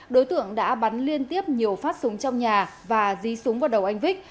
đối tượng đã bắn liên tiếp nhiều phát súng trong nhà và dí súng vào đầu anh vích